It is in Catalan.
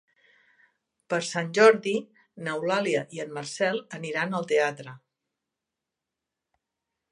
Per Sant Jordi n'Eulàlia i en Marcel aniran al teatre.